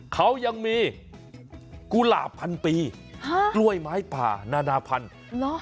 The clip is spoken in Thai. เขายังมีกุหลาบพันปีกล้วยไม้ป่านานาพันธุ์เหรอ